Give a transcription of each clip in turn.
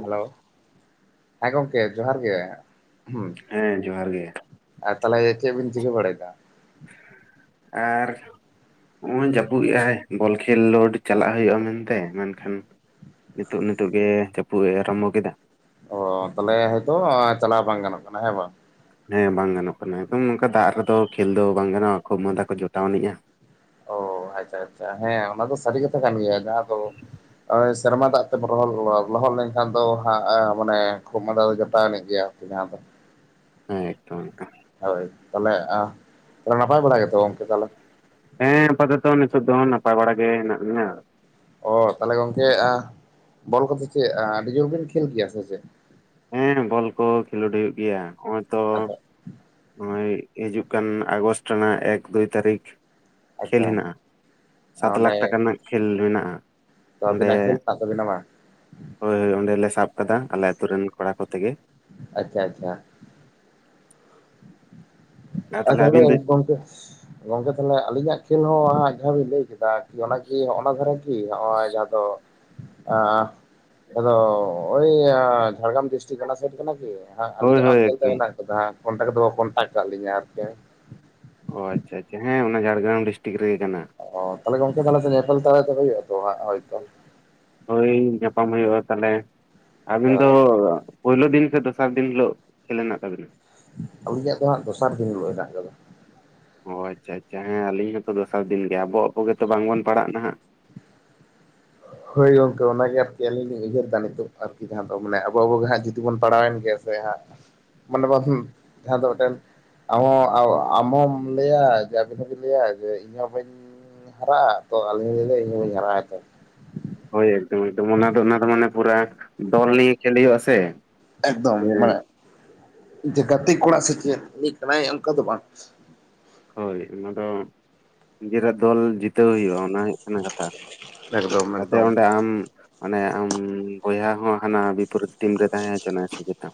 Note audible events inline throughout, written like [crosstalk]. Hello ᱦᱮᱸ ᱜᱚᱝᱠᱮ ᱡᱚᱦᱟᱨ ᱜᱮ ᱦᱮᱸ ᱡᱚᱦᱟᱨ ᱜᱮ ᱟᱨ ᱛᱟᱞᱦᱮ ᱪᱮᱫ ᱵᱤᱱ ᱪᱤᱠᱟᱹ ᱵᱟᱲᱟᱭᱫᱟ? ᱟᱨ ᱱᱚᱜᱼᱚᱭ ᱡᱟᱹᱯᱩᱫᱮᱜ-ᱟᱭ ᱵᱚᱞ ᱠᱷᱮᱞᱴᱞᱳᱰ ᱪᱟᱞᱟᱜ ᱦᱳᱭᱳᱜᱼᱟ ᱢᱮᱱᱛᱮ ᱢᱮᱱᱠᱷᱟᱱ ᱱᱤᱛᱚᱜ ᱱᱤᱛᱚᱜ ᱜᱮ ᱡᱟᱹᱯᱩᱫ ᱮ ᱟᱨᱟᱢᱵᱚ ᱠᱮᱫᱟ ᱚ ᱛᱟᱞᱦᱮ ᱦᱚᱭᱛᱚ ᱪᱟᱞᱟᱣ ᱵᱟᱝ ᱜᱟᱱᱚᱜ ᱠᱟᱱᱟ ᱦᱮᱸ ᱵᱟᱝ ᱦᱮᱸ ᱵᱟᱝ ᱜᱟᱱᱚᱜ ᱠᱟᱱᱟ ᱮᱠᱫᱚᱢ ᱱᱚᱝᱠᱟ ᱫᱟᱜ ᱨᱮᱫᱚ ᱠᱷᱮᱞ ᱫᱚ ᱵᱟᱝ ᱜᱟᱱᱚᱜᱼᱟ ᱠᱷᱳᱜᱽ ᱢᱟᱸᱫᱟ ᱠᱚ ᱡᱚᱴᱟᱣ ᱟᱹᱱᱤᱡᱼᱟ ᱚ ᱟᱪᱪᱷᱟ ᱟᱪᱪᱷᱟ ᱦᱮᱸ ᱚᱱᱟ ᱫᱚ ᱥᱟᱨᱤ ᱠᱟᱛᱷᱟ ᱠᱟᱱ ᱜᱮᱭᱟ ᱡᱟᱸᱦᱟᱸ ᱫᱚ ᱥᱮᱨᱢᱟ ᱫᱟᱜ ᱚ [unintelligible] ᱞᱚᱦᱚᱫ ᱞᱮᱱᱠᱷᱟᱱ ᱫᱚ ᱦᱟᱸᱜ ᱢᱟᱱᱮ ᱠᱷᱩᱜ ᱢᱟᱸᱫᱟ ᱫᱚ ᱡᱚᱴᱟᱣ ᱟᱱᱤᱡ ᱜᱮᱭᱟ ᱟᱨᱠᱤ ᱡᱟᱦᱟᱸ ᱫᱚ ᱦᱮᱸ ᱮᱠᱴᱩ ᱚᱱᱠᱟ ᱦᱳᱭ ᱛᱟᱞᱦᱮ ᱟ ᱛᱟᱞᱦᱮ ᱱᱟᱯᱟᱭ ᱵᱟᱲᱟ ᱜᱮᱛᱚ ᱜᱚᱝᱠᱮ ᱛᱟᱞᱦᱮ? ᱦᱮᱸ ᱟᱯᱟᱛᱚᱛᱚ ᱱᱤᱛᱚᱜ ᱫᱚ ᱱᱟᱯᱟᱭ ᱵᱟᱲᱟ ᱜᱮ ᱦᱮᱱᱟᱜ ᱞᱤᱧᱟ ᱚ ᱛᱟᱞᱦᱮ ᱜᱚᱝᱠᱮ ᱟ ᱵᱚᱞ ᱠᱚᱫᱚ ᱪᱮᱫ ᱟᱹᱰᱤ ᱡᱳᱨ ᱵᱤᱱ ᱠᱷᱮᱞ ᱜᱮᱭᱟ ᱥᱮ ᱪᱮᱫ? ᱦᱮᱸ ᱵᱚᱞ ᱠᱚ ᱠᱷᱮᱞᱳᱰ ᱦᱳᱭᱳᱜ ᱜᱮᱭᱟ ᱦᱚᱸᱜᱼᱚᱭ ᱛᱚ ᱟᱫᱚ ᱱᱩᱭ ᱦᱤᱡᱩᱜ ᱠᱟᱱ ᱟᱜᱚᱥᱴ ᱨᱮᱱᱟᱜ ᱮᱠ ᱫᱩᱭ ᱛᱟᱹᱨᱤᱠᱷ ᱠᱷᱮᱞ ᱟᱪᱪᱷᱟ ᱦᱮᱱᱟᱜᱼᱟ ᱥᱟᱛ ᱞᱟᱠᱷ ᱴᱟᱠᱟ ᱨᱮᱱᱟᱜ ᱠᱷᱮᱞ ᱦᱮᱱᱟᱜᱼᱟ ᱛᱚ ᱟᱵᱤᱱᱟᱜ ᱠᱷᱮᱞ ᱦᱮᱱᱟᱜ ᱛᱟᱵᱤᱱᱟ ᱵᱟᱝ? ᱦᱳᱭ ᱦᱳᱭ ᱚᱸᱰᱮᱞᱮ ᱥᱟᱵ ᱠᱟᱫᱟ ᱟᱞᱮ ᱟᱛᱩ ᱨᱮᱱ ᱠᱚᱲᱟ ᱠᱚᱛᱮᱜᱮ ᱟᱪᱪᱷᱟ ᱟᱪᱪᱷᱟ ᱟᱨ ᱛᱟᱦᱚᱞᱮ ᱟᱪᱪᱷᱟ ᱦᱟᱯᱮ ᱟᱹᱵᱤᱱ ᱫᱚ ᱜᱚᱝᱠᱮ ᱜᱚᱝᱠᱮ ᱛᱟᱞᱦᱮ ᱟᱹᱞᱤᱧᱟᱜ ᱠᱷᱮᱹᱞ ᱦᱚᱸ ᱡᱟᱸᱦᱟᱞᱤᱧ ᱞᱟᱹᱭ ᱠᱮᱫᱟ ᱚᱱᱟᱠᱤ ᱦᱚᱸᱜ-ᱚᱱᱟ ᱫᱷᱟᱨᱟ ᱠᱤ ᱱᱚᱜ-ᱚᱭ ᱡᱟᱦᱟᱸ ᱫᱚ ᱟᱸ ᱟᱫᱚ ᱳᱭ ᱟᱸ ᱡᱷᱟᱲᱜᱨᱟᱢ ᱰᱤᱥᱴᱤᱠ ᱚᱱᱟ ᱥᱟᱭᱤᱰ ᱠᱟᱱᱟ ᱠᱤ? ᱟᱸ ᱦᱳᱭ ᱟᱹᱞᱤᱧᱟᱜ ᱦᱳᱭ ᱦᱚᱸ ᱠᱷᱮᱞ ᱫᱚ ᱮᱠᱫᱚᱢ ᱢᱮᱱᱟᱜ ᱠᱟᱫᱟ ᱠᱚᱱᱴᱟᱠ ᱦᱚᱸᱛᱚ ᱠᱚ ᱠᱚᱱᱴᱟᱠᱴ ᱠᱟᱜ ᱞᱤᱧᱟ ᱟᱨᱠᱤ ᱚ ᱟᱪᱪᱷᱟ ᱟᱪᱪᱷᱟ ᱦᱮᱸ ᱚᱱᱟ ᱡᱷᱟᱲᱜᱮᱨᱟᱢ ᱰᱤᱥᱴᱤᱠ ᱨᱮᱜᱮ ᱠᱟᱱᱟ ᱚ ᱛᱟᱞᱦᱮ ᱜᱚᱝᱠᱮ [inaudible] ᱧᱮᱯᱮᱞ ᱛᱟᱨᱟ ᱛᱚ ᱦᱩᱭᱩᱜᱼᱟ ᱟᱛᱚ ᱦᱟᱸᱜ ᱦᱳᱭᱛᱚ ᱦᱳᱭ ᱧᱟᱯᱟᱢ ᱦᱩᱭᱩᱜᱼᱟ ᱛᱟᱞᱦᱮ ᱚ ᱟᱵᱤᱱ ᱫᱚ ᱯᱳᱭᱞᱳ ᱫᱤᱱ ᱥᱮ ᱫᱚᱥᱟᱨ ᱫᱤᱱ ᱦᱤᱞᱳᱜ ᱠᱷᱮᱞ ᱦᱮᱱᱟᱜ ᱛᱟᱵᱤᱱᱟ? ᱟᱹᱞᱤᱧᱟᱜ ᱫᱚ ᱦᱟᱸᱜ ᱫᱚᱥᱟᱨ ᱫᱤᱱ ᱦᱤᱞᱳᱜ ᱦᱮᱱᱟᱜ ᱠᱟᱫᱟ ᱚ ᱟᱪᱪᱷᱟ ᱟᱪᱪᱷᱟ ᱦᱮᱸ ᱟᱞᱤᱧ ᱦᱚᱸᱛᱚ ᱫᱚᱥᱟᱨ ᱫᱤᱱ ᱜᱮ ᱟᱵᱚ ᱟᱵᱚ ᱜᱮᱛᱚ ᱵᱟᱝᱵᱚᱱ ᱯᱟᱲᱟᱜ ᱱᱟᱦᱟᱜ ᱦᱳᱭ ᱜᱚᱝᱠᱮ ᱚᱱᱟᱜᱮ ᱟᱨᱠᱤ ᱟᱹᱞᱤᱧ ᱞᱤᱧ ᱩᱭᱦᱟᱹᱨᱫᱟ ᱱᱤᱛᱳᱜ ᱟᱨᱠᱤ ᱡᱟᱦᱟᱸ ᱫᱚ ᱢᱟᱱᱮ ᱟᱵᱚ ᱟᱵᱚ ᱦᱟᱸᱜ ᱡᱩᱫᱤ ᱵᱚᱱ ᱯᱟᱲᱟᱣᱮᱱ ᱜᱮ ᱥᱮ ᱦᱟᱸᱜ ᱢᱟᱱᱮ [unintelligible] ᱡᱟᱦᱟᱸ ᱫᱚ ᱢᱮᱫᱴᱮᱱ ᱟᱢ ᱦᱚ ᱟᱢ ᱦᱚᱢ ᱞᱟᱹᱭᱟ ᱡᱮ ᱟᱹᱵᱤᱱ ᱦᱚᱸᱵᱤᱱ ᱞᱟᱹᱭᱟ ᱡᱮ ᱤᱧᱦᱚᱸ ᱵᱟᱹᱧ ᱦᱟᱨᱟᱜᱼᱟ ᱛᱚ ᱟᱞᱤᱧ ᱞᱤᱧ ᱞᱟᱹᱭᱟ ᱤᱧ ᱦᱚᱸ ᱵᱟᱹᱧ ᱦᱟᱨᱟᱜᱼᱟ ᱛᱚ ᱦᱳᱭ ᱮᱠᱫᱚᱢ ᱮᱠᱫᱚᱢ ᱚᱱᱟ ᱫᱚ ᱚᱱᱟ ᱫᱚ ᱢᱟᱱᱮ ᱯᱩᱨᱟ ᱫᱚᱞ ᱱᱤᱭᱮ ᱠᱷᱮᱞ ᱦᱩᱭᱩᱜ-ᱟ ᱥᱮ ᱮᱠᱫᱚᱢ ᱡᱮ ᱢᱟᱱᱮ ᱡᱮ ᱜᱟᱛᱮ ᱠᱚᱲᱟ ᱥᱮ ᱪᱮᱫ ᱩᱱᱤ ᱠᱟᱱᱟᱭ ᱚᱱᱠᱟ ᱫᱚ ᱵᱟᱝ ᱦᱳᱭ ᱚᱱᱟ ᱫᱚ ᱱᱤᱡᱮᱨᱟᱜ ᱫᱚᱞ ᱡᱤᱛᱟᱹᱣ ᱦᱩᱭᱩᱜᱼᱟ ᱚᱱᱟ ᱦᱩᱭᱩᱜ ᱠᱟᱱᱟ ᱠᱟᱛᱷᱟ ᱮᱠᱫᱚᱢ ᱠᱟᱛᱮ ᱮᱠᱫᱚᱢ ᱚᱸᱰᱮ ᱟᱢ ᱢᱟᱱᱮ ᱟᱢ ᱵᱚᱭᱦᱟ ᱦᱚᱸ ᱦᱟᱱᱟ ᱵᱤᱯᱚᱨᱤᱛ ᱴᱤᱢ ᱨᱮ ᱛᱟᱦᱮᱸ ᱦᱚᱪᱚᱣᱟᱱ ᱥᱮ ᱪᱮᱛᱟᱢ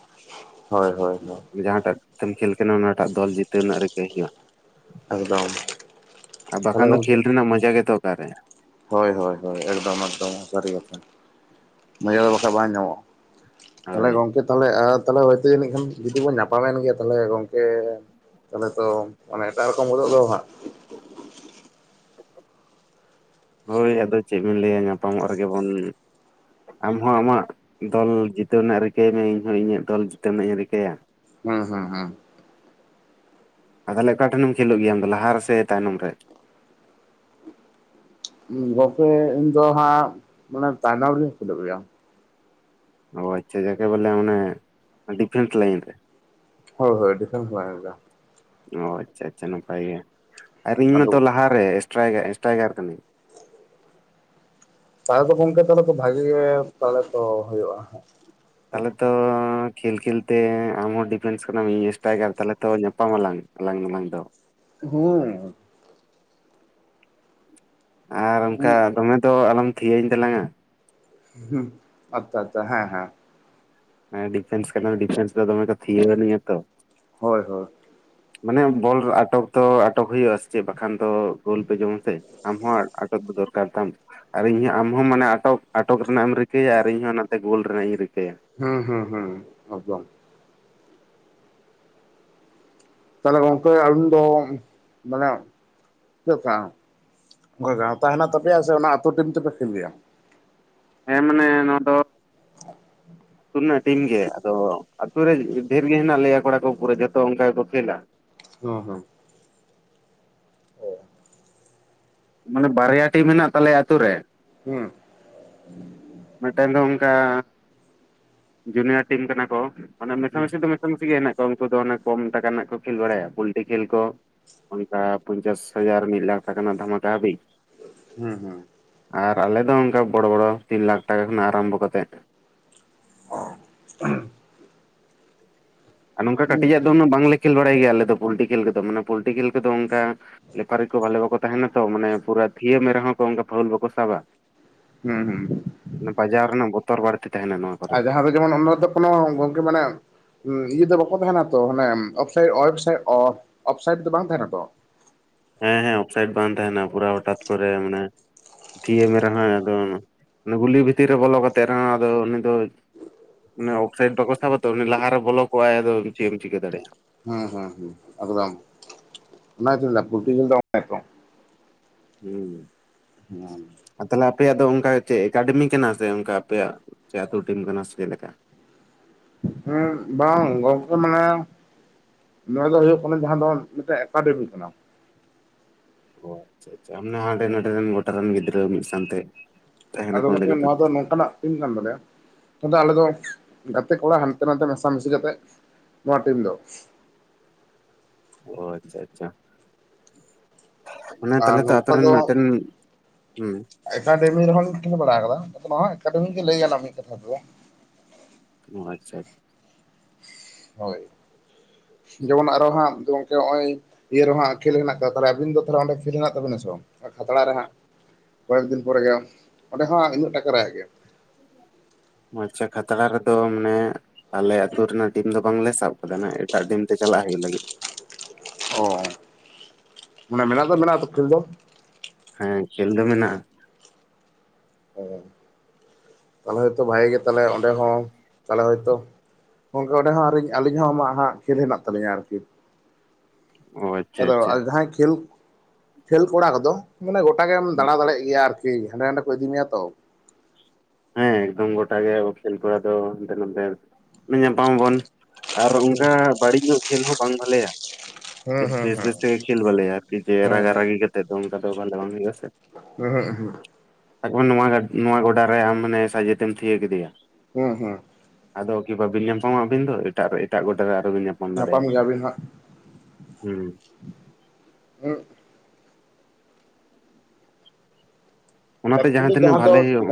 ᱦᱳᱭ ᱦᱳᱭ ᱦᱳᱭ ᱡᱟᱦᱟᱸᱴᱟᱜ ᱛᱮᱢ ᱠᱷᱮᱞ ᱠᱟᱱᱟ ᱚᱱᱟᱴᱟᱜ ᱫᱚᱞ ᱡᱤᱛᱟᱹᱣ ᱨᱮᱱᱟᱜ ᱨᱤᱠᱟᱹᱭ ᱦᱳᱭᱳᱜᱼᱟ ᱮᱠᱫᱚᱢ ᱟᱨ ᱛᱟᱦᱚᱞᱮ ᱵᱟᱠᱷᱟᱱ ᱫᱚ ᱜᱚᱝᱠᱮ ᱠᱷᱮᱹᱞ ᱨᱮᱱᱟᱜ ᱢᱚᱡᱟ ᱜᱮᱛᱚ ᱚᱠᱟᱨᱮ ᱦᱳᱭ ᱦᱳᱭ ᱦᱳᱭ ᱮᱠᱫᱚᱢ ᱮᱠᱫᱚᱢ ᱥᱟᱹᱨᱤ ᱠᱟᱛᱷᱟ ᱢᱟᱡᱟ ᱫᱚ ᱵᱟᱠᱷᱟᱡ ᱵᱟᱝ ᱧᱟᱢᱚᱜᱼᱟ ᱛᱟᱞᱦᱮ ᱦᱳᱭ ᱜᱚᱝᱠᱮ ᱛᱟᱞᱦᱮ ᱛᱟᱞᱦᱮ ᱦᱳᱭᱛᱚ ᱡᱟᱹᱱᱤᱜ ᱠᱷᱟᱱ ᱡᱩᱫᱤ ᱵᱚᱱ ᱧᱟᱯᱟᱢᱮᱱ ᱜᱮᱭᱟ ᱛᱟᱞᱦᱮ ᱜᱚᱝᱠᱮ ᱛᱟᱦᱚᱞᱮ ᱛᱚ ᱢᱟᱱᱮ ᱮᱴᱟᱜ ᱨᱚᱠᱚᱢ ᱜᱚᱫᱚᱜ ᱫᱚ ᱦᱟᱸᱜ ᱦᱳᱭ ᱟᱫᱚ ᱪᱮᱫ ᱵᱤᱱ ᱞᱟᱹᱭᱟ ᱧᱟᱯᱟᱢᱚᱜ ᱨᱮᱜᱮ ᱵᱚᱱ ᱟᱢᱦᱚᱸ ᱟᱢᱟᱜ ᱫᱚᱞ ᱡᱤᱛᱟᱹᱣ ᱨᱮᱱᱟᱜ ᱨᱤᱠᱟᱹᱭ ᱢᱮ ᱤᱧᱦᱚᱸ ᱤᱧᱟᱹᱜ ᱫᱚᱞ ᱡᱤᱛᱟᱹᱣ ᱨᱮᱱᱟᱜ ᱤᱧ ᱨᱤᱠᱟᱹᱭᱟ ᱦᱩᱸ ᱦᱩᱸ ᱦᱩᱸ ᱟ ᱛᱟᱞᱦᱮ ᱚᱠᱟ ᱴᱷᱮᱱᱮᱢ ᱠᱷᱮᱞᱳᱜ ᱜᱮᱭᱟ ᱟᱢᱫᱚ ᱫᱚ ᱞᱟᱦᱟ ᱨᱮ ᱥᱮ ᱛᱟᱭᱱᱚᱢ ᱨᱮ ᱜᱚᱢᱠᱮ ᱤᱧ ᱫᱚ ᱦᱟᱸᱜ ᱢᱟᱱᱮ ᱛᱟᱭᱱᱚᱢ ᱨᱤᱧ ᱠᱷᱮᱞᱳᱜ ᱜᱮᱭᱟ ᱚ ᱟᱪᱪᱷᱟ ᱡᱟᱠᱮ ᱵᱚᱞᱮ ᱢᱟᱱᱮ ᱰᱤᱯᱷᱮᱱᱥ ᱞᱟᱭᱤᱱ ᱨᱮ ᱦᱳ ᱦᱳᱭ ᱰᱤᱯᱷᱮᱱᱥ ᱞᱟᱭᱤᱱ ᱨᱮ ᱚ ᱟᱪᱪᱷᱟ ᱟᱪᱪᱷᱟ ᱱᱟᱯᱟᱭ ᱜᱮ ᱟᱨ ᱤᱧ ᱟᱫᱚ ᱢᱟᱛᱚ ᱞᱟᱦᱟᱨᱮ ᱥᱴᱟᱭ ᱥᱴᱟᱭᱜᱟᱨ ᱠᱟᱱᱤᱧ ᱛᱟᱦᱚᱞᱮ ᱫᱚ ᱜᱚᱢᱠᱮ ᱛᱚ ᱛᱟᱦᱚᱞᱮ ᱵᱷᱟᱜᱮ ᱜᱮ ᱯᱟᱞᱮ ᱛᱚ ᱦᱳᱭᱳᱜᱼᱟ ᱛᱟᱞᱦᱮ ᱛᱚ ᱠᱷᱮᱞ ᱠᱷᱮᱞ ᱛᱮ ᱟᱢᱦᱚᱸ ᱰᱤᱯᱷᱮᱱᱥ ᱠᱟᱱᱟᱢ ᱤᱧ ᱥᱴᱟᱭᱜᱟᱨ ᱛᱟᱞᱦᱮ ᱛᱚ ᱧᱟᱯᱟᱢ ᱟᱞᱟᱝ ᱟᱞᱟᱝ ᱱᱟᱞᱟᱝ ᱫᱚ ᱦᱩᱸ ᱟᱨ ᱩᱸ ᱚᱱᱠᱟ ᱫᱚᱢᱮ ᱫᱚ ᱟᱞᱚᱢ ᱛᱷᱤᱭᱟᱹᱧ ᱛᱟᱞᱟᱝᱟ ᱦᱩᱸ ᱟᱪᱪᱷᱟ ᱟᱪᱪᱷᱟ ᱦᱮᱸ ᱦᱮᱸ ᱦᱮᱸ ᱰᱤᱯᱷᱮᱱᱥ ᱠᱟᱱᱟᱢ ᱰᱤᱯᱷᱮᱱᱥ ᱫᱚ ᱫᱚᱢᱮ ᱠᱚ ᱛᱷᱤᱭᱟᱹ ᱟᱱᱤᱡ ᱟᱛᱚ ᱦᱳᱭ ᱦᱳᱭ ᱢᱟᱱᱮ ᱵᱚᱞ ᱟᱴᱚᱠ ᱛᱚ ᱟᱴᱚᱠ ᱦᱩᱭᱩᱜᱼᱟ ᱥᱮ ᱪᱮᱫ ᱵᱟᱠᱷᱟᱱ ᱫᱚ ᱜᱳᱞ ᱯᱮ ᱡᱚᱢᱟ ᱥᱮ ᱟᱢ ᱦᱚᱸ ᱟᱴᱚᱠ ᱫᱚ ᱫᱚᱨᱠᱟᱨ ᱛᱟᱢ ᱟᱨ ᱤᱧᱦᱚᱸ ᱟᱢ ᱦᱚᱸ ᱢᱟᱱᱮ ᱟᱴᱚᱠ ᱟᱴᱚᱠ ᱨᱮᱱᱟᱜ ᱮᱢ ᱨᱤᱠᱟᱹᱭᱟ ᱟᱨ ᱤᱧᱦᱚᱸ ᱚᱱᱟᱛᱮ ᱜᱳᱞ ᱨᱮᱱᱟᱜ ᱤᱧ ᱨᱤᱠᱟᱹᱭᱟ ᱦᱩᱸ ᱦᱩᱸ ᱦᱩᱸ ᱮᱠᱫᱚᱢ ᱛᱟᱞᱦᱮ ᱜᱚᱢᱠᱮ ᱟᱹᱞᱤᱧ ᱫᱚ ᱢᱟᱱᱮ ᱪᱮᱫ ᱠᱟᱱᱟ ᱜᱟᱶᱛᱟ ᱦᱮᱱᱟᱜ ᱛᱟᱯᱮᱭᱟ ᱥᱮ ᱚᱱᱟ ᱟᱹᱴᱛᱳ ᱴᱤᱢ ᱛᱮᱯᱮ ᱠᱷᱮᱞ ᱜᱮᱭᱟ ᱦᱮᱸ ᱢᱟᱱᱮ ᱱᱚᱣᱟ ᱫᱚ [inaudible] ᱟᱛᱳ ᱨᱮᱱᱟᱜ ᱴᱤᱢ ᱜᱮ ᱟᱫᱚ ᱟᱛᱳ ᱨᱮ ᱰᱷᱮᱨ ᱜᱮ ᱦᱮᱱᱟᱜ ᱞᱮᱭᱟ ᱠᱚᱲᱟ ᱠᱚ ᱯᱩᱨᱟᱹ ᱡᱚᱛᱚ ᱚᱱᱠᱟ ᱜᱮᱠᱚ ᱠᱷᱮᱞᱟ ᱚ ᱦᱚ ᱦᱮ ᱢᱟᱱᱮ ᱵᱟᱨᱭᱟ ᱴᱤᱢ ᱢᱮᱱᱟᱜ ᱛᱟᱞᱮᱭᱟ ᱟᱛᱳ ᱨᱮ ᱦᱩᱸ ᱢᱮᱫᱴᱮᱱ ᱫᱚ ᱚᱱᱠᱟ ᱡᱩᱱᱤᱭᱟᱨ ᱴᱤᱢ ᱠᱟᱱᱟ ᱠᱚ ᱢᱟᱱᱮ ᱢᱮᱥᱟ ᱢᱮᱤᱥᱤ ᱫᱚ ᱢᱮᱥᱟ ᱢᱮᱥᱤ ᱜᱮ ᱦᱮᱱᱟᱜ ᱠᱚᱣᱟ ᱩᱱᱠᱩ ᱫᱚ ᱚᱱᱮ ᱠᱚᱢ ᱴᱟᱠᱟ ᱨᱮᱱᱟᱜ ᱠᱚ ᱠᱷᱮᱞ ᱵᱟᱲᱟᱭᱟ ᱯᱩᱞᱴᱤ ᱠᱷᱮᱞ ᱠᱚ ᱚᱱᱠᱟ ᱯᱚᱧᱪᱟᱥ ᱦᱟᱡᱟᱨ ᱢᱤᱫ ᱞᱟᱠᱷ ᱴᱟᱠᱟ ᱨᱮᱱᱟᱜ ᱫᱷᱟᱢᱟᱠᱟ ᱦᱟᱹᱵᱤᱡ ᱦᱮᱸ ᱦᱮᱸ ᱟᱨ ᱟᱞᱮ ᱫᱚ ᱚᱱᱠᱟ ᱵᱚᱲᱚ ᱵᱚᱲᱚ ᱛᱤᱱ ᱞᱟᱠᱷ ᱴᱟᱠᱟ ᱠᱷᱚᱱᱟᱜ ᱟᱨᱟᱢᱵᱷᱚ ᱠᱟᱛᱮᱫ [unintelligible] ᱟᱨ ᱱᱚᱝᱠᱟ ᱦᱩᱸ ᱠᱟᱹᱴᱤᱡᱟᱜ ᱫᱚ ᱩᱱᱟᱹᱜ ᱵᱟᱝᱞᱮ ᱠᱷᱮᱞ ᱵᱟᱲᱟᱭ ᱜᱮᱭᱟ ᱟᱞᱮ ᱫᱚ ᱯᱚᱞᱴᱤ ᱠᱷᱮᱞ ᱠᱚᱫᱚ ᱢᱟᱱᱮ ᱯᱚᱞᱴᱤ ᱠᱷᱮᱞ ᱠᱚᱫᱚ ᱚᱱᱠᱟ ᱞᱮᱯᱟᱨᱤ ᱠᱚ ᱵᱷᱟᱞᱮ ᱵᱟᱠᱚ ᱛᱟᱦᱮᱱᱟ ᱛᱚ ᱢᱟᱱᱮ ᱯᱩᱨᱟ ᱛᱷᱤᱭᱟᱹ ᱢᱮ ᱨᱮᱦᱚᱸ ᱚᱱᱠᱟ ᱯᱷᱟᱭᱩᱞ ᱵᱟᱠᱚ ᱥᱟᱵᱟ ᱦᱩᱸ ᱦᱩᱸ ᱾ ᱵᱟᱡᱟᱣ ᱨᱮᱱᱟᱜ ᱵᱚᱛᱚᱨ ᱵᱟᱹᱲᱛᱤ ᱛᱟᱦᱮᱱᱟ ᱱᱚᱣᱟ ᱾ ᱟᱨ ᱡᱟᱦᱟᱸ ᱫᱚ ᱡᱮᱢᱚᱱ ᱚᱱᱟ ᱨᱮᱫᱚ ᱠᱚᱱᱳ ᱜᱚᱝᱠᱮ ᱢᱟᱱᱮ ᱤᱭᱟᱹ ᱫᱚ ᱵᱟᱠᱚ ᱛᱟᱦᱮᱱᱟ ᱛᱚ ᱟᱱᱮ ᱚᱭᱮᱵᱥᱟᱭ ᱚᱯᱷᱥᱟᱭᱤᱴ ᱫᱚ ᱵᱟᱝ ᱛᱟᱦᱮᱱᱟ ᱛᱚ ᱾ ᱦᱮᱸ ᱦᱮᱸ ᱚᱯᱷᱥᱟᱭᱤᱴ ᱵᱟᱝ ᱛᱟᱦᱮᱱᱟ, ᱯᱩᱨᱟᱹ ᱦᱚᱴᱟᱛ ᱠᱚᱨᱮ ᱢᱟᱱᱮ ᱛᱷᱤᱭᱟᱹ ᱢᱮ ᱨᱮᱦᱚᱸ ᱟᱫᱚ ᱜᱩᱞᱤ ᱵᱷᱤᱛᱤᱨ ᱨᱮ ᱵᱚᱞᱚ ᱠᱟᱛᱮᱜ ᱨᱮᱦᱚᱸ ᱟᱫᱚ ᱩᱱᱤ ᱫᱚ ᱟᱱᱮ ᱚᱯᱷᱥᱟᱭᱤᱰ ᱵᱟᱠᱚ ᱥᱟᱵᱟ ᱛᱚ, ᱩᱱᱤ ᱞᱟᱦᱟᱨ ᱨᱮ ᱵᱚᱞᱚ ᱠᱚᱜ ᱟᱭ ᱟᱫᱚ ᱪᱮᱫ ᱮᱢ ᱪᱤᱠᱟᱹ ᱫᱟᱲᱮᱭ ᱟᱜᱼᱟ ᱾ ᱦᱩᱸ ᱦᱩᱸ ᱦᱩᱸ ᱮᱠᱫᱚᱢ ᱾ ᱚᱱᱟ ᱜᱮᱛᱚ ᱞᱟᱹᱭ ᱫᱟ ᱞᱳᱞᱴᱤ ᱡᱤᱞ ᱫᱚ ᱚᱱᱮ ᱛᱚ ᱦᱮᱸ ᱾ [inaudible] ᱟᱨ ᱛᱟᱦᱚᱞᱮ ᱟᱯᱮᱭᱟᱜ ᱫᱚ ᱚᱱᱠᱟ ᱪᱮᱫ ᱮᱠᱟᱰᱮᱢᱤ ᱠᱟᱱᱟ ᱥᱮ ᱚᱱᱠᱟ ᱟᱯᱮᱭᱟᱜ ᱟᱹᱛᱩ ᱴᱤᱢ ᱠᱟᱱᱟ ᱥᱮ ᱪᱮᱫ ᱞᱮᱠᱟ? ᱦᱮᱸ ᱵᱟᱝ ᱜᱚᱝᱠᱮ ᱢᱟᱱᱮ ᱱᱚᱣᱟ ᱫᱚ ᱦᱩᱭᱩᱜᱜ ᱠᱟᱱᱟ ᱾ ᱡᱟᱦᱟᱸ ᱫᱚ ᱢᱤᱫᱴᱮᱱ ᱮᱠᱟᱰᱮᱢᱤ ᱠᱟᱱᱟ ᱾ ᱚ ᱟᱪᱪᱷᱟ ᱟᱪᱪᱷᱟ ᱚᱱᱟ ᱚᱸᱰᱮ ᱱᱚᱰᱮ ᱨᱮᱱ ᱜᱚᱴᱟ ᱨᱮᱱ ᱜᱤᱫᱽᱨᱟᱹ ᱢᱤᱫ ᱥᱟᱶᱛᱮ ᱟᱫᱚ ᱛᱟᱦᱮᱱᱟᱠᱚ ᱚᱸᱰᱮ ᱜᱚᱝᱠᱮ ᱜᱮ ᱱᱚᱣᱟ ᱫᱚ ᱯᱨᱮᱠᱴᱤᱥ ᱱᱚᱝᱠᱟᱱᱟᱜ ᱴᱤᱢ ᱠᱟᱱ ᱛᱟᱞᱮᱭᱟ ᱟᱫᱚ ᱟᱞᱮ ᱫᱚ ᱜᱟᱛᱮ ᱠᱚᱲᱟ ᱦᱟᱱᱛᱮ ᱱᱟᱛᱮ ᱢᱮᱥᱟᱢᱤᱥᱤ ᱠᱟᱛᱮᱜ ᱱᱚᱣᱟ ᱴᱤᱢ ᱫᱚ ᱾ ᱚ ᱟᱪᱪᱷᱟ ᱟᱪᱪᱷᱟ ᱾ ᱢᱟᱱᱮ ᱟᱨ ᱛᱟᱦᱚᱞᱮ ᱛᱚ ᱟᱯᱮ ᱱᱚᱝᱠᱟ ᱨᱮᱱ ᱫᱚ ᱢᱤᱫᱴᱮᱱ ᱦᱩᱸ ᱾ ᱮᱠᱟᱰᱮᱢᱤ ᱨᱮᱦᱚ ᱞᱤᱧ ᱛᱟᱦᱮ ᱵᱟᱲᱟ ᱟᱠᱟᱫᱟ ᱱᱚᱣᱟ ᱮᱠᱟᱰᱮᱢᱤ ᱜᱮ ᱞᱟᱹᱭ ᱜᱟᱱᱚᱜ ᱢᱤᱫ ᱠᱟᱛᱷᱟ ᱛᱮᱫᱚ ᱾ ᱟᱪᱪᱷᱟ ᱟᱪᱪᱷᱟ ᱾ ᱦᱳᱭ ᱾ ᱡᱮᱢᱚᱱ ᱟᱨᱚ ᱦᱟᱸᱜ ᱱᱚᱜ ᱚᱚᱭ ᱤᱭᱟᱹ ᱨᱮᱦᱟᱸ ᱠᱷᱮᱞ ᱦᱮᱱᱟᱜ ᱠᱟᱫᱟ, ᱟᱵᱤᱱ ᱫᱚ ᱛ ᱚᱸᱰᱮ ᱠᱷᱮᱞ ᱦᱮᱱᱟᱜ ᱛᱟᱵᱤᱱᱟ ᱥᱮ ᱵᱟᱝ ᱠᱷᱟᱛᱲᱟ ᱨᱮ ᱦᱟᱸᱜ ᱾ ᱠᱚᱭᱮᱠ ᱫᱤᱱ ᱯᱚᱨᱮ ᱜᱮ ᱾ ᱚᱸᱰᱮ ᱦᱚᱸ ᱩᱱᱟᱹᱜ ᱴᱟᱠᱟ ᱨᱮᱭᱟᱜ ᱜᱮ ᱾ ᱟᱪᱪᱷᱟ ᱠᱷᱟᱛᱲᱟ ᱨᱮᱫᱚ ᱢᱟᱱᱮ ᱟᱞᱮ ᱟ ᱟᱹᱛᱩ ᱨᱮᱱᱟᱜ ᱴᱤᱢ ᱫᱚ ᱵᱟᱝᱞᱮ ᱥᱟᱵ ᱠᱟᱫᱟ, ᱮᱴᱟᱜ ᱴᱤᱢ ᱛᱮ ᱪᱟᱞᱟᱜ ᱦᱩᱭᱩᱜ ᱞᱟᱹᱜᱤᱫ ᱾ ᱚ ᱢᱟᱱᱮ ᱢᱮᱱᱟᱜ ᱫᱚ ᱢᱮᱱᱟᱜ ᱛᱚ ᱠᱷᱮᱞ ᱫᱚ ᱾ ᱦᱮᱸ ᱠᱷᱮᱞ ᱫᱚ ᱢᱮᱱᱟᱜᱼᱟ ᱾ ᱚ ᱛᱟᱦᱚᱞᱮ ᱦᱚᱭᱛᱳ ᱵᱷᱟᱜᱮ ᱜᱮ ᱚᱸᱰᱮ ᱦᱚᱸ ᱛᱟᱦᱚᱞᱮ ᱦᱚᱭᱛᱳ ᱜᱚᱝᱠᱮ ᱚᱸᱰᱮ ᱦᱚᱸᱧ ᱟᱹᱞᱤᱧ ᱦᱚᱸ ᱟᱢᱟᱜ ᱦᱟᱸᱜ ᱠᱷᱮᱞ ᱦᱮᱱᱟᱜ ᱛᱟᱞᱤᱧᱟ ᱟᱨᱠᱤ ᱾ ᱚ ᱟᱪᱪᱷᱟ ᱟᱫᱚ ᱟᱪᱪᱷᱟ ᱡᱟᱦᱟᱸᱭ ᱠᱷᱮᱞ, ᱠᱷᱮᱞ ᱠᱚᱲᱟ ᱠᱚᱫᱚ ᱢᱟᱱᱮ ᱜᱚᱴᱟᱜ ᱜᱮᱢ ᱫᱟᱬᱟ ᱫᱟᱲᱮᱭᱟᱜ ᱜᱮᱭᱟ ᱟᱨᱠᱤ ᱾ ᱦᱟᱸᱰᱮ ᱱᱟᱸᱰᱮ ᱠᱚ ᱤᱫᱤ ᱢᱮᱭᱟ ᱛᱚ ᱾ ᱦᱮᱸ ᱮᱠᱫᱚᱢ ᱜᱚᱴᱟ ᱜᱮ ᱠᱷᱮᱞ ᱠᱚᱲᱟ ᱫᱚ ᱦᱟᱱᱛᱮ ᱱᱟᱛᱮ ᱧᱟᱯᱟᱢᱟᱵᱚᱱ ᱟᱨ ᱚᱱᱠᱟ ᱵᱟᱹᱲᱤᱡ ᱧᱚᱜ ᱠᱷᱮᱞ ᱦᱚᱸ ᱵᱟᱝ ᱵᱷᱟᱞᱮᱭᱟ ᱦᱩᱸ ᱾ ᱦᱩᱸ ᱵᱮᱥ, ᱵᱮᱥ ᱠᱷᱮᱞ ᱵᱷᱟᱞᱮᱭᱟ ᱟᱨᱠᱤ ᱡᱮ ᱦᱩᱸ ᱨᱟᱜᱟ ᱦᱩᱸ ᱦᱩᱸ ᱨᱟᱜᱤ ᱠᱟᱛᱮᱜ ᱫᱚ ᱚᱱᱠᱟ ᱫᱚ ᱵᱟᱝ ᱦᱳᱭᱳᱜᱼᱟ ᱥᱮ ᱾ [unintelligible] ᱥᱟᱵ ᱠᱟᱜ ᱵᱮᱱ ᱱᱚᱣᱟ, ᱱᱚᱣᱟ ᱜᱚᱰᱟ ᱨᱮ ᱟᱢ ᱢᱟᱱᱮ ᱥᱟᱡᱮᱛᱮᱢ ᱛᱷᱤᱭᱟᱹ ᱠᱮᱫᱮᱭᱟ ᱦᱮᱸ ᱦᱩᱸ ᱾ ᱟᱫᱚ ᱠᱤ ᱵᱟᱹᱵᱤᱱ ᱧᱟᱯᱟᱢᱚᱜ ᱟᱵᱤᱱ ᱫᱚ, ᱮᱴᱟᱜ ᱮᱴᱟᱜ ᱜᱳᱰᱟ ᱨᱮ ᱟᱨᱚ ᱵᱤᱱ ᱧᱟᱯᱟᱢ ᱫᱟᱲᱮᱭᱟᱜᱼᱟ ᱾ ᱜᱮᱭᱟᱵᱤᱱ ᱦᱟᱸᱜ ᱦᱩᱸ ᱾ ᱦᱩᱸ ᱚᱱᱟᱛᱮ ᱮᱠᱪᱩᱞᱤ ᱛᱤᱱᱟᱹᱜ ᱡᱟᱦᱟᱸ ᱫᱚ ᱵᱷᱟᱞᱮ ᱦᱩᱭᱩᱜ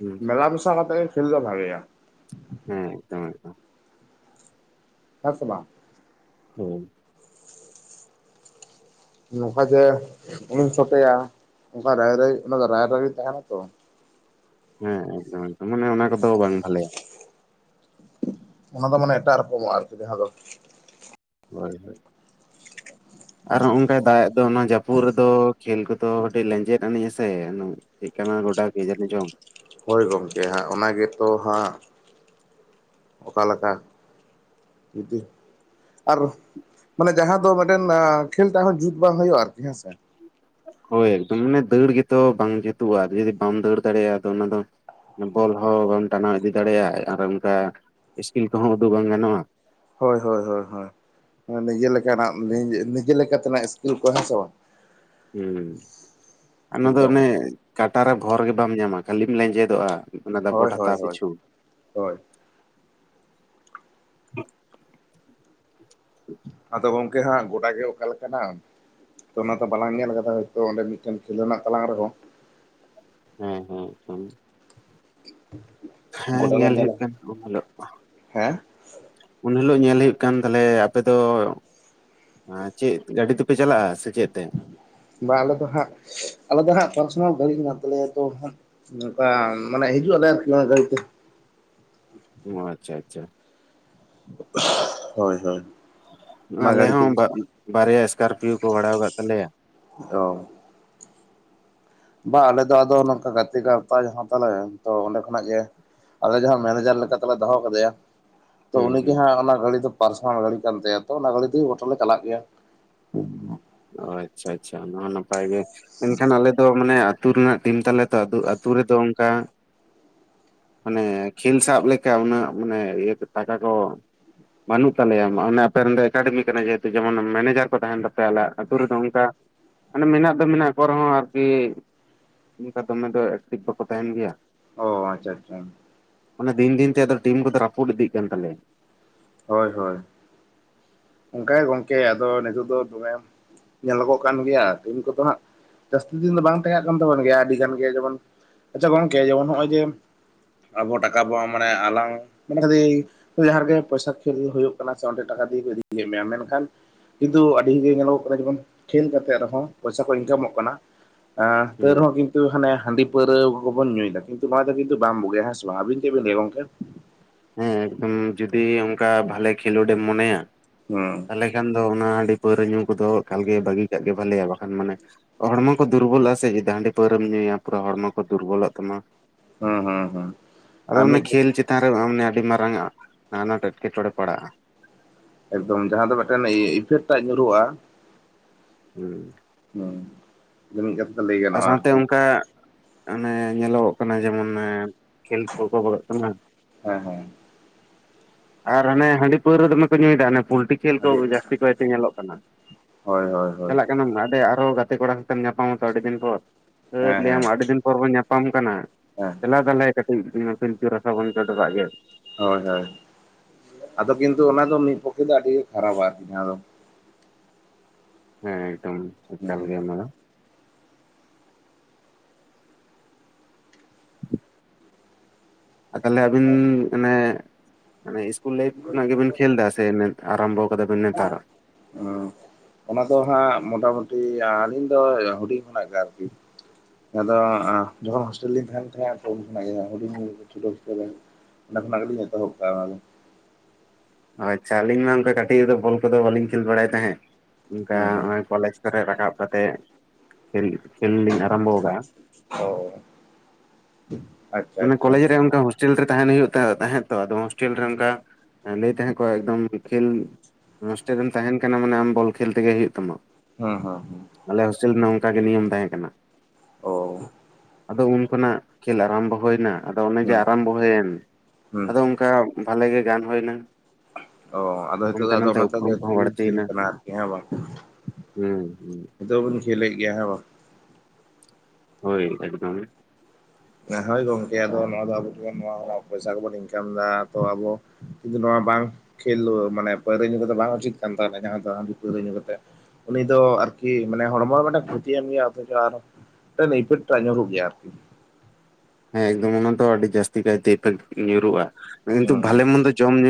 ᱦᱩᱸ ᱢᱮᱞᱟ ᱢᱮᱥᱟ ᱠᱟᱛᱮᱜᱮ ᱠᱷᱮᱞ ᱫᱚ ᱵᱷᱟᱜᱮᱭᱟ ᱾ ᱦᱮᱸ ᱾ ᱦᱮᱸ ᱥᱮ ᱵᱟᱝ? ᱦᱳᱭ ᱾ ᱱᱚᱝᱠᱟ ᱡᱮ ᱩᱱᱤᱧ ᱪᱚᱴᱮᱭᱟ, ᱚᱝᱠᱟ ᱨᱟᱭ ᱚᱱᱠᱟ ᱨᱟᱭ ᱨᱤᱛ ᱛᱟᱦᱮᱸᱱᱟ ᱛᱚ ᱾ ᱦᱮᱸ ᱮᱠᱫᱚᱢ ᱮᱠᱫᱚᱢ ᱢᱟᱱᱮ ᱚᱱᱟ ᱠᱚᱫᱚ ᱵᱟᱝ ᱵᱷᱟᱞᱮᱭᱟ᱾ ᱚᱱᱟ ᱫᱚ ᱢᱟᱱᱮ ᱮᱴᱟᱜ ᱨᱚᱠᱚᱢᱚᱜᱼᱟ ᱟᱨᱠᱤ ᱡᱟᱦᱟᱸ ᱫᱚ ᱦᱳᱭ ᱦᱳᱭ ᱟᱨᱦᱚᱸ ᱚᱝᱠᱟᱭ ᱫᱟᱜ ᱮᱫ ᱫᱚᱭ, ᱚᱱᱟ ᱡᱟᱹᱯᱩᱫ ᱨᱮᱫᱚ ᱠᱷᱮᱞ ᱠᱚᱛᱚ ᱠᱟᱹᱴᱤᱡ ᱞᱮᱸᱡᱮᱫ ᱟᱹᱱᱮᱡ ᱟᱥᱮ ᱪᱮᱫ ᱠᱟᱱᱟ ᱜᱚᱰᱟ ᱠᱮ ᱡᱟᱱᱤ ᱪᱚᱝ? ᱦᱳᱭ ᱜᱚᱢᱠᱮ ᱦᱟᱸᱜ ᱚᱱᱟ ᱜᱮᱛᱚ ᱦᱟᱸᱜ ᱚᱠᱟ ᱞᱮᱠᱟ [unintelligible] ᱟᱨ ᱢᱟᱱᱮ ᱡᱟᱦᱟᱸ ᱫᱚ ᱢᱤᱫᱴᱮᱱ ᱠᱷᱮᱞ ᱴᱟᱜ ᱦᱚᱸ ᱡᱩᱛ ᱵᱟᱝ ᱦᱩᱭᱩᱜᱼᱟ ᱟᱨᱠᱤ ᱦᱮᱸᱥᱮ᱾ ᱦᱳᱭ ᱮᱠᱫᱚᱢ ᱢᱟᱱᱮ ᱫᱟᱹᱲ ᱜᱮᱛᱚ ᱵᱟᱝ ᱡᱩᱛᱩᱜᱼᱟ ᱡᱩᱫᱤ ᱵᱟᱢ ᱫᱟᱹᱲ ᱫᱟᱲᱮᱭᱟᱜᱼᱟ ᱟᱫᱚ ᱚᱱᱟ ᱫᱚ ᱵᱚᱞ ᱦᱚᱸ ᱵᱟᱢ ᱴᱟᱱᱟᱣ ᱤᱫᱤ ᱫᱟᱲᱮᱭᱟᱜᱼᱟ ᱟᱨ ᱚᱝᱠᱟ ᱤᱥᱠᱤᱞ ᱠᱚᱦᱚᱸ ᱩᱫᱩᱜ ᱵᱟᱝ ᱜᱟᱱᱚᱜᱼᱟ᱾ ᱦᱳᱭ ᱦᱳᱭ ᱦᱳᱭ ᱦᱳᱭ᱾ ᱟᱸ ᱤᱭᱮ ᱞᱮᱠᱟᱱᱟᱜ ᱱᱤᱡᱮ ᱱᱤᱡᱮ ᱞᱮᱠᱟ ᱛᱮᱱᱟᱹᱜ ᱤᱥᱠᱩᱞ ᱠᱚ ᱦᱮᱸᱥᱮ ᱵᱟᱝ? ᱦᱩᱸ ᱟᱨ ᱚᱱᱟ ᱫᱚ ᱮᱠᱫᱚᱢ ᱚᱱᱮ ᱠᱟᱴᱟ ᱨᱮ ᱵᱷᱚᱨ ᱜᱮ ᱵᱟᱢ ᱧᱟᱢᱟ ᱠᱷᱟᱹᱞᱤᱢ ᱞᱮᱸᱡᱮᱫᱚᱜᱼᱟ᱾ ᱚᱱᱟ ᱫᱟᱯᱚᱴ ᱦᱳᱭ ᱦᱳᱭ ᱦᱟᱛᱟᱣ ᱦᱳᱭ ᱯᱤᱪᱷᱩ ᱦᱳᱭ᱾ [inaudible] ᱟᱫᱚ ᱜᱚᱝᱠᱮ ᱦᱟᱸᱜ ᱜᱚᱰᱟ ᱜᱮ ᱚᱠᱟᱞᱮᱠᱟᱱᱟ? ᱛᱚ ᱚᱱᱟ ᱫᱚ ᱵᱟᱞᱟᱝ ᱧᱮᱞ ᱠᱟᱫᱟ ᱦᱳᱭᱛᱚ ᱚᱸᱰᱮ ᱢᱤᱫᱴᱮᱱ ᱠᱷᱮᱞᱳ ᱨᱮᱱᱟᱜ ᱛᱟᱞᱟᱝ ᱨᱮᱦᱚᱸ ᱦᱮᱸ ᱦᱮᱸ ᱦᱮᱸ ᱟᱜᱠᱷᱟᱱ ᱦᱮᱸ ᱜᱚᱰᱟ ᱞᱮ ᱧᱮᱞ ᱧᱮᱞᱟ ᱦᱩᱭᱩᱜ ᱠᱟᱱᱟ ᱩᱱ ᱦᱤᱞᱚᱜ ᱦᱮᱸ ᱩᱱ ᱦᱤᱞᱳᱜ ᱧᱮᱞ ᱦᱩᱭᱩᱜ ᱠᱟᱱ ᱛᱟᱞᱮᱭᱟ, ᱟᱯᱮ ᱫᱚ ᱟ ᱪᱮᱫ ᱜᱟᱹᱰᱤ ᱛᱮᱯᱮ ᱪᱟᱞᱟᱜᱼᱟ, ᱥᱮ ᱪᱮᱫ ᱛᱮ? ᱵᱟᱝ ᱟᱞᱮ ᱫᱚ ᱦᱟᱸᱜ ᱟᱞᱮ ᱫᱚ ᱦᱟᱸᱜ ᱯᱟᱨᱥᱚᱱᱟᱞ ᱜᱟᱹᱰᱤ ᱢᱮᱱᱟᱜ ᱛᱟᱞᱮᱭᱟ ᱛᱚ ᱦᱟᱸᱜ᱾ ᱱᱚᱝᱠᱟ ᱢᱟᱱᱮ ᱦᱤᱡᱩᱜ ᱟᱞᱮ ᱟᱨᱠᱤ ᱚᱱᱟ ᱜᱟᱹᱲᱤ ᱛᱮ᱾ ᱚ ᱟᱪᱪᱷᱟ ᱟᱪᱪᱷᱟ᱾ ᱦᱳᱭ ᱦᱳᱭ᱾ ᱚᱱᱟ ᱟᱞᱮ ᱜᱟᱹᱲᱤ ᱦᱚᱸ ᱛᱮᱜᱮ ᱵᱟ ᱵᱟᱨᱭᱟ ᱤᱥᱠᱟᱨᱯᱤᱭᱳ ᱠᱚ ᱵᱷᱟᱲᱟᱣ ᱠᱟᱫ ᱛᱟᱞᱮᱭᱟ᱾ ᱚ᱾ ᱵᱟ ᱟᱞᱮ ᱫᱚ ᱟᱫᱚ ᱱᱚᱝᱠᱟ ᱜᱟᱛᱮ ᱜᱟᱶᱛᱟ ᱡᱟᱦᱟᱸ ᱛᱟᱞᱮ ᱛᱚ ᱚᱸᱰᱮ ᱠᱷᱚᱱᱟᱜ ᱜᱮ ᱟᱞᱮ ᱡᱟᱦᱟᱸ ᱢᱮᱱᱮᱡᱟᱨ ᱞᱮᱠᱟᱛᱮᱞᱮ ᱫᱚᱦᱚ ᱠᱟᱫᱮᱭᱟ ᱛᱚ ᱦᱩᱸ ᱩᱱᱤᱜᱮ ᱦᱩᱸ ᱦᱟᱸᱜ ᱚᱱᱟ ᱜᱟᱹᱲᱤ ᱫᱚ ᱯᱟᱨᱥᱚᱱᱟᱞ ᱜᱟᱹᱰᱤ ᱠᱟᱱ ᱛᱟᱭᱟ ᱛᱚ ᱚᱱᱟ ᱜᱟᱹᱲᱤ ᱫᱚ ᱜᱟᱴᱟ ᱞᱮ ᱪᱟᱞᱟᱜ ᱜᱮᱭᱟ᱾ ᱚ ᱟᱪᱪᱷᱟ ᱟᱪᱪᱷᱟ ᱚᱱᱟ ᱦᱚᱸ ᱱᱟᱯᱟᱭ ᱜᱮ ᱢᱮᱱᱠᱷᱟᱱ ᱟᱞᱮ ᱫᱚ ᱢᱟᱱᱮ ᱟᱛᱩ ᱨᱮᱱᱟᱜ ᱴᱤᱢ ᱛᱟᱞᱮ ᱛᱚ ᱟᱛᱩ ᱨᱮᱫᱚ ᱚᱝᱠᱟ ᱢᱟᱱᱮ ᱠᱷᱮᱞ ᱥᱟᱵ ᱞᱮᱠᱟ ᱩᱱᱟᱹᱜ ᱢᱟᱱᱮ ᱤᱭᱟᱹ ᱴᱟᱠᱟ ᱠᱚ ᱵᱟᱹᱱᱩᱜ ᱛᱟᱞᱮᱭᱟ ᱚᱱᱮ ᱟᱯᱮᱨᱮᱱ ᱫᱚ ᱮᱠᱟᱰᱮᱢᱤ ᱠᱟᱱᱟ ᱡᱮᱦᱮᱛᱩ ᱡᱮᱢᱚᱱ ᱢᱮᱱᱮᱡᱟᱨ ᱠᱚ ᱛᱟᱦᱮᱸᱱ ᱛᱟᱯᱮᱭᱟ ᱟᱞᱮ ᱟᱛᱩ ᱨᱮᱫᱚ ᱚᱝᱠᱟ ᱢᱟᱱᱮ ᱢᱮᱱᱟᱜ ᱫᱚ ᱢᱮᱱᱟᱜ ᱠᱚ ᱨᱮᱦᱚᱸ ᱟᱨᱠᱤ ᱚᱝᱠᱟ ᱫᱚᱢᱮ ᱫᱚ ᱮᱠᱴᱤᱠ ᱵᱟᱠᱚ ᱛᱟᱦᱮᱸᱱ ᱜᱮᱭᱟ᱾ ᱚ ᱟᱪᱪᱷᱟ ᱟᱪᱪᱷᱟ᱾ ᱢᱟᱱᱮ ᱫᱤᱱ ᱫᱤᱱ ᱛᱮ ᱴᱤᱢ ᱠᱚᱫᱚ ᱨᱟᱹᱯᱩᱫ ᱤᱫᱤᱜ ᱠᱟᱱ ᱛᱟᱞᱮᱭᱟ᱾ ᱦᱳᱭ ᱦᱳᱭ᱾ ᱚᱝᱠᱟ ᱜᱮ ᱜᱚᱝᱠᱮ ᱟᱫᱚ ᱱᱤᱛᱚᱜ ᱫᱚ ᱫᱚᱢᱮᱢ ᱧᱮᱞᱚᱜᱚᱜ ᱠᱟᱱ ᱜᱮᱭᱟ ᱫᱤᱱ ᱠᱚᱫᱚ ᱦᱟᱸᱜ ᱡᱟᱹᱥᱛᱤ ᱫᱤᱱ ᱫᱚ ᱵᱟᱝ ᱛᱟᱦᱮᱸᱱ ᱠᱟᱱ ᱛᱟᱵᱚᱱ ᱜᱮᱭᱟ ᱟᱹᱰᱤ ᱜᱟᱱ ᱜᱮ ᱡᱮᱢᱚᱱ ᱟᱪᱪᱷᱟ ᱜᱚᱝᱠᱮ ᱡᱮᱢᱚᱱ ᱱᱚᱜᱼᱚᱭ ᱡᱮ ᱟᱵᱚ ᱴᱟᱠᱟ ᱵᱚᱱ ᱢᱟᱱᱮ ᱟᱞᱟᱝ ᱢᱟᱱᱮ [unintelligible] ᱡᱟᱦᱟᱸ ᱨᱮᱜᱮ ᱯᱚᱭᱥᱟ ᱠᱷᱮᱞ ᱦᱩᱭᱩᱜ ᱠᱟᱱᱟ ᱥᱮ ᱚᱸᱰᱮ ᱴᱟᱠᱟ ᱫᱤᱭᱮ ᱠᱚ ᱤᱫᱤᱭᱮᱫ ᱢᱮᱭᱟ, ᱢᱮᱱᱠᱷᱟᱱ ᱠᱤᱱᱛᱩ ᱟᱹᱰᱤ ᱜᱮ ᱧᱮᱞᱚᱜᱚᱜ ᱠᱟᱱᱟ ᱡᱮᱢᱚᱱ ᱠᱷᱮᱞ ᱠᱟᱛᱮᱜ ᱨᱮᱦᱚᱸ ᱯᱚᱭᱥᱟ ᱠᱚ ᱤᱱᱠᱟᱢᱚᱜ ᱠᱟᱱᱟ, ᱟᱸ ᱛᱟᱹᱣ ᱦᱩᱸ ᱨᱮᱦᱚᱸ ᱠᱤ ᱠᱤᱱᱛᱩ ᱦᱟᱸᱱᱮ ᱦᱟᱺᱰᱤ ᱯᱟᱹᱣᱨᱟᱹ ᱠᱚᱵᱚᱱ ᱧᱩᱭᱫᱟ ᱠᱤᱱᱛᱩ ᱱᱚᱣᱟ ᱫᱚ ᱠᱤᱱᱛᱩ ᱵᱟᱢ ᱵᱩᱜᱤᱭᱟ ᱦᱮᱸ ᱥᱮ ᱵᱟᱝ ᱟᱵᱤᱱ ᱪᱮᱫ ᱵᱤᱱ ᱞᱟᱹᱭᱟ ᱜᱚᱝᱠᱮ? ᱦᱮᱸ ᱩᱸ ᱡᱩᱫᱤ ᱚᱱᱠᱟ ᱵᱷᱟᱞᱮ ᱠᱷᱮᱞᱳᱰᱮᱢ ᱢᱚᱱᱮᱭᱟ᱾ ᱦᱚᱸ᱾ ᱛᱟᱦᱞᱮ ᱠᱷᱟᱱ ᱫᱚ ᱚᱱᱟ ᱦᱟᱺᱰᱤ ᱯᱟᱹᱣᱨᱟᱹ ᱧᱩ ᱠᱚᱫᱚ ᱮᱠᱟᱞᱜᱮ ᱵᱟᱹᱜᱤ ᱠᱟᱜ ᱜᱮ ᱵᱷᱟᱞᱮᱭᱟ ᱵᱟᱠᱷᱟᱱ ᱢᱟᱱᱮ ᱦᱚᱲᱢᱚ ᱠᱚ ᱫᱩᱨᱵᱚᱞᱚᱜ-ᱟ ᱥᱮ ᱡᱩᱫᱤ ᱦᱟᱺᱰᱤ ᱯᱟᱹᱣᱨᱟᱹᱢ ᱧᱩᱭᱟ ᱯᱩᱨᱟᱹ ᱦᱚᱲᱢᱚ ᱠᱚ ᱫᱩᱨᱵᱚᱞᱚᱜ ᱛᱟᱢᱟ᱾ ᱦᱩᱸ ᱦᱩᱸ ᱦᱩᱸ ᱟᱫᱚ ᱟᱨ ᱚᱱᱟ ᱢᱤᱫ ᱠᱷᱮᱹᱞ ᱪᱮᱛᱟᱱ ᱨᱮ ᱟᱢ ᱦᱮᱸ ᱟᱹᱰᱤ ᱢᱟᱨᱟᱝᱟᱜ ᱟᱱᱟᱴ ᱮᱴᱠᱮᱴᱚᱬᱮ ᱯᱟᱲᱟᱜ-ᱟ᱾ ᱮᱠᱫᱚᱢ ᱡᱟᱦᱟᱸ ᱫᱚ ᱢᱮᱫᱴᱮᱱ ᱤᱯᱷᱮᱠᱴᱟᱜ ᱧᱩᱨᱩᱜ-ᱟ᱾ ᱦᱩᱸ᱾ ᱦᱩᱸ᱾ [unintelligible] ᱟᱨ ᱥᱟᱶᱛᱮ ᱚᱱᱠᱟ ᱚᱱᱮ ᱧᱮᱞᱚᱜᱚᱜ ᱠᱟᱱᱟ ᱡᱮᱢᱚᱱ ᱠᱷᱮᱹᱞ ᱠᱚᱠᱚ ᱵᱟᱜᱟᱜ ᱠᱟᱱᱟ᱾ ᱦᱮᱸ ᱦᱮᱸ᱾ ᱟᱨ ᱦᱟᱱᱮ ᱦᱟᱺᱰᱤ ᱯᱟᱹᱣᱨᱟᱹ ᱫᱚᱢᱮ ᱠᱚ ᱧᱩᱭᱫᱟ, ᱦᱟᱱᱮ ᱯᱳᱞᱴᱤ ᱠᱷᱮᱹᱞ ᱠᱚ ᱟᱹᱰᱤ ᱡᱟᱹᱥᱛᱤ ᱠᱟᱭᱛᱮ ᱧᱮᱞᱚᱜ ᱠᱟᱱᱟ᱾ ᱦᱳᱭ ᱦᱳᱭ ᱦᱳᱭ ᱪᱟᱞᱟᱜ ᱠᱟᱱᱟᱢ ᱦᱟᱸᱰᱮ ᱟᱨᱦᱚᱸ ᱜᱟᱛᱮ ᱠᱚᱲᱟ ᱥᱟᱛᱮᱢ ᱧᱟᱯᱟᱢᱟᱛᱚ ᱟᱹᱰᱤ ᱫᱤᱱ ᱯᱚᱨ᱾ ᱦᱟᱹᱴ ᱦᱮᱸ ᱦᱮᱸ ᱞᱟᱹᱭᱟᱢ ᱟᱹᱰᱤ ᱫᱤᱱ ᱯᱚᱨ ᱵᱚᱱ ᱧᱟᱯᱟᱢ ᱠᱟᱱᱟ᱾ ᱦᱮᱸ᱾ ᱫᱮᱞᱟ ᱛᱟᱞᱦᱮ ᱠᱟᱹᱴᱤᱡ ᱯᱤᱞᱪᱩ ᱨᱟᱥᱟ ᱵᱚᱱ ᱪᱚᱰᱚᱨᱟᱜ ᱜᱮ᱾ ᱦᱳᱭ ᱦᱳᱭ᱾ ᱟᱫᱚ ᱠᱤᱱᱛᱩ ᱚᱱᱟ ᱫᱚ ᱢᱤᱫ ᱯᱚᱠᱠᱷᱮ ᱫᱚ ᱟᱹᱰᱤ ᱜᱮ ᱠᱷᱟᱨᱟᱯᱟ ᱟᱨᱠᱤ ᱡᱟᱦᱟᱸ ᱫᱚ᱾ ᱦᱮᱸ, ᱮᱠᱫᱚᱢ ᱦᱩᱸ ᱮᱠᱟᱞ ᱜᱮ ᱚᱱᱟ ᱫᱚ᱾ ᱟᱨ ᱛᱟᱦᱞᱮ ᱟᱵᱤᱱ ᱚᱱᱮ ᱤᱥᱠᱩᱞ ᱞᱟᱭᱤᱯᱷ ᱠᱷᱚᱱᱟᱜ ᱜᱮᱵᱤᱱ ᱠᱷᱮᱹᱞᱫᱟ ᱥᱮ ᱢᱮᱱ ᱟᱨᱟᱢᱵᱚᱣ ᱠᱟᱫᱟ ᱵᱮᱱ ᱱᱮᱛᱟᱨ? ᱚ᱾ ᱚᱱᱟ ᱫᱚ ᱦᱟᱸᱜ ᱢᱚᱴᱟᱢᱩᱴᱤ ᱟᱹᱞᱤᱧ ᱫᱚ ᱦᱩᱰᱤᱧ ᱠᱷᱚᱱᱟᱜ ᱜᱮ ᱟᱨᱠᱤ᱾ ᱟᱫᱚ ᱡᱚᱠᱷᱚᱱ ᱦᱳᱴᱮᱹᱞ ᱨᱮᱞᱤᱧ ᱛᱟᱸᱦᱮᱱ ᱛᱟᱦᱮᱸᱜ-ᱟ ᱛᱚ ᱩᱱ ᱠᱷᱚᱱᱟᱜ ᱜᱮ ᱦᱩᱰᱤᱧ [unintelligible] ᱚᱸᱰᱮ ᱠᱷᱚᱱᱟᱜ ᱜᱮᱞᱤᱧ ᱮᱛᱚᱦᱚᱵ ᱟᱠᱟᱜ-ᱟ ᱱᱚᱣᱟ ᱫᱚ᱾ ᱟᱪᱪᱷᱟ ᱟᱹᱞᱤᱧ ᱢᱟ ᱚᱝᱠᱟ ᱠᱟᱹᱴᱤᱡ ᱨᱮᱫᱚ ᱵᱚᱞ ᱠᱚᱫᱚ ᱵᱟᱹᱞᱤᱧ ᱠᱷᱮᱹᱞ ᱵᱟᱲᱟᱭ ᱛᱟᱦᱮᱸᱫ, ᱚᱝᱠᱟ ᱫᱚ ᱦᱩᱸ ᱦᱚᱸᱜ-ᱚᱭ ᱠᱚᱞᱮᱡᱽ ᱨᱮ ᱨᱟᱠᱟᱵ ᱠᱟᱛᱮᱫ ᱠᱷᱮᱹᱞ, ᱠᱷᱮᱹᱞ ᱞᱤᱧ ᱟᱨᱟᱢᱵᱚᱣ ᱠᱟᱜ-ᱟ᱾ ᱦᱳᱭ᱾ ᱢᱟᱱᱮ ᱠᱚᱞᱮᱡᱽ ᱨᱮ ᱚᱝᱠᱟ ᱦᱚᱸ᱾ ᱪᱚᱴ ᱨᱮ ᱛᱟᱸᱦᱮᱱ ᱦᱩᱭᱩᱜ ᱛᱟᱦᱮᱸᱫ ᱛᱚ ᱟᱫᱚ ᱦᱳᱥᱴᱮᱹᱞ ᱨᱮ ᱚᱱᱠᱟ ᱞᱟᱹᱭ ᱛᱟᱦᱮᱸᱜ ᱠᱚ ᱮᱠᱫᱚᱢ ᱠᱷᱮᱹᱞ ᱦᱳᱥᱴᱮᱹᱞ ᱨᱮᱢ ᱛᱟᱸᱦᱮᱱ ᱠᱟᱱᱟ ᱢᱟᱱᱮ ᱟᱢ ᱵᱚᱞ ᱠᱷᱮᱹᱞ ᱛᱮᱜᱮ ᱦᱩᱭᱩᱜ ᱛᱟᱢᱟ᱾ ᱦᱚᱸ ᱦᱚᱸ ᱦᱚᱸ ᱟᱞᱮ ᱦᱳᱥᱴᱮᱹᱞ ᱨᱮᱱᱟᱜ ᱚᱱᱠᱟ ᱜᱮ ᱱᱤᱭᱚᱢ ᱛᱟᱦᱮᱸ ᱠᱟᱱᱟ᱾ ᱚ᱾ ᱟᱫᱚ ᱩᱱ ᱠᱷᱚᱱᱟᱜ ᱠᱷᱮᱹᱞ ᱟᱨᱟᱢᱵᱚ ᱦᱩᱭᱮᱱᱟ, ᱟᱫᱚ ᱚᱱᱮ ᱡᱮ ᱦᱩᱸ ᱟᱨᱟᱢᱵᱚ ᱦᱩᱭᱮᱱ ᱦᱩᱸ ᱟᱫᱚ ᱩᱱ ᱚᱱᱠᱟ ᱵᱷᱟᱞᱮ ᱜᱮ ᱜᱟᱱ ᱦᱩᱭ ᱞᱮᱱᱟ᱾ ᱚ, ᱟᱫᱚ ᱱᱤᱛᱚᱜ ᱫᱚ ᱟᱫᱚ ᱚᱱᱟᱛᱮ ᱫᱚ ᱠᱚᱦᱚᱸ ᱠᱨᱤᱠᱮᱹᱴ ᱠᱷᱮᱹᱞ ᱵᱟᱹᱲᱛᱤᱭᱮᱱᱟ ᱠᱟᱱᱟ ᱟᱨᱠᱤ ᱦᱮᱸ ᱵᱟᱝ? ᱦᱩᱸ ᱦᱩᱸ᱾ ᱱᱤᱛᱚᱜ ᱦᱚᱸ ᱵᱤᱱ ᱠᱷᱮᱹᱞᱮᱫ ᱜᱮᱭᱟ ᱦᱮᱸ ᱵᱟᱝ? ᱦᱳᱭ ᱮᱠᱫᱚᱢ᱾ ᱦᱳᱭ ᱜᱚᱝᱠᱮ ᱟᱫᱚ ᱱᱚᱣᱟ ᱫᱚ [unintelligible] ᱱᱚᱣᱟ ᱯᱚᱭᱥᱟ ᱠᱚᱵᱚᱱ ᱤᱱᱠᱟᱢ ᱮᱫᱟ, ᱛᱚ ᱟᱵᱚ ᱠᱤᱱᱛᱩ ᱱᱚᱣᱟ ᱵᱟᱝ ᱠᱷᱮᱹᱞ ᱢᱟᱱᱮ ᱯᱟᱹᱣᱨᱟᱹ ᱧᱩ ᱠᱟᱛᱮᱫ ᱵᱟᱝ ᱩᱪᱤᱛ ᱠᱟᱱ ᱛᱟᱦᱮᱱᱟ, ᱡᱟᱦᱟᱸ ᱟᱫᱚ ᱦᱟᱺᱰᱤ ᱯᱟᱹᱣᱨᱟᱹ ᱧᱩ ᱠᱟᱛᱮᱫ᱾ ᱩᱱᱤ ᱫᱚ ᱟᱨᱠᱤ ᱢᱟᱱᱮ ᱦᱚᱲᱢᱚ ᱢᱤᱫᱴᱟᱝ ᱠᱷᱚᱛᱤᱭ ᱮᱢᱟ ᱜᱮᱭᱟ, ᱚᱛᱷᱚᱪᱚ ᱟᱨᱦᱚᱸ ᱢᱤᱫᱴᱟᱝ ᱤᱯᱷᱮᱠᱴᱟᱜ ᱧᱩᱨᱩᱜ ᱜᱮᱭᱟ ᱟᱨᱠᱤ᱾ ᱮᱠᱫᱚᱢ ᱚᱱᱟ ᱫᱚ ᱟᱹᱰᱤ ᱡᱟᱥᱛᱤ ᱠᱟᱭᱛᱮ ᱧᱩᱨᱩᱜᱼᱟ ᱦᱮᱸ ᱠᱤᱱᱛᱩ ᱦᱮᱸ ᱵᱷᱟᱞᱮ ᱢᱚᱱᱫᱚ ᱡᱚᱢ ᱧᱩ